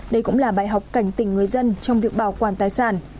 đây cũng là bài học cảnh tỉnh người dân trong việc bảo quản tài sản